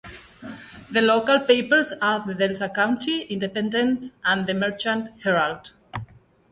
The local papers are the Delta County Independent and the Merchant Herald.